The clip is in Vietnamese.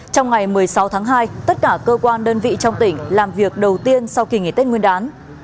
trong ngày một mươi sáu tháng hai tất cả cơ quan đơn vị trong tỉnh làm việc đầu tiên sau kỳ nghỉ tết nguyên đán